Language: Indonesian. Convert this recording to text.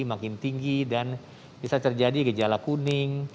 makin tinggi dan bisa terjadi gejala kuning